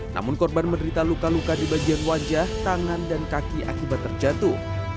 namun korban menderita luka luka di bagian wajah tangan dan kaki akibat terjatuh